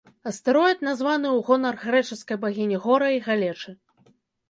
Астэроід названы ў гонар грэчаскай багіні гора і галечы.